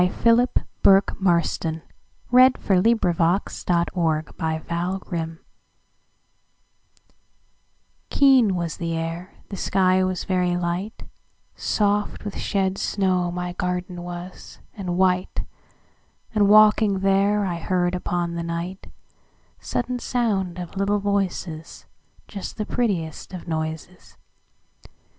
Philip Bourke Marston 1850–87 Garden Fairies KEEN was the air, the sky was very light, Soft with shed snow my garden was, and white, And, walking there, I heard upon the nightSudden sound of little voices, Just the prettiest of noises.